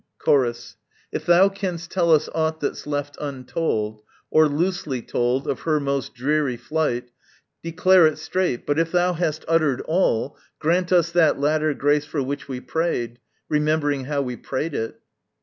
Chorus. If thou canst tell us aught that's left untold, Or loosely told, of her most dreary flight, Declare it straight: but if thou hast uttered all, Grant us that latter grace for which we prayed, Remembering how we prayed it.